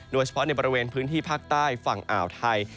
โดยเฉพาะในบริเวณพื้นที่ภาคใต้ฝั่งอ่าวไทย